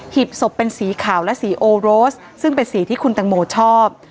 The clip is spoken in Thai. หีบศพเป็นสีขาวและสีโอโรสซึ่งเป็นสีที่คุณตังโมชอบ